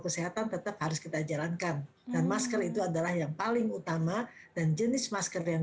kesehatan tetap harus kita jalankan dan masker itu adalah yang paling utama dan jenis masker yang